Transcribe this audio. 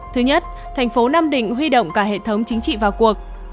thứ nhất tp nam định huy động cả hệ thống chính trị vào cuộc